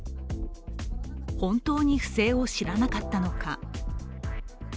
本当に不正を知らなかったのか。